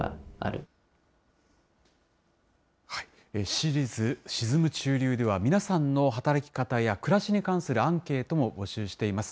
シリーズ、沈む中流では、皆さんの働き方や暮らしに関するアンケートも募集しています。